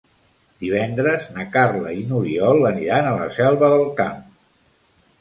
Divendres na Carla i n'Oriol aniran a la Selva del Camp.